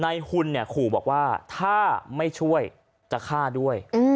หุ่นเนี่ยขู่บอกว่าถ้าไม่ช่วยจะฆ่าด้วย